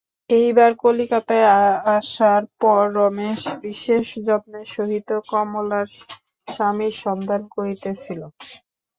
এইবার কলিকাতায় আসার পর রমেশ বিশেষ যত্নের সহিত কমলার স্বামীর সন্ধান করিতেছিল।